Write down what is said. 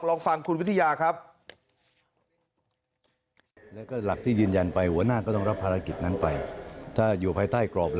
ลองฟังคุณวิทยาครับ